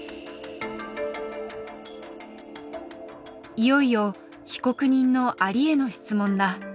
いよいよ被告人のアリへの質問だ。